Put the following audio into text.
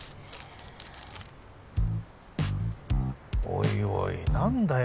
おいおい何だよ